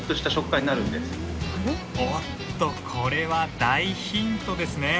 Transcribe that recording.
おっとこれは大ヒントですね。